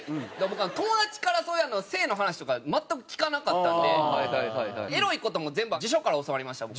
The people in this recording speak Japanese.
僕友達からそういう性の話とか全く聞かなかったんでエロい事も全部辞書から教わりました僕は。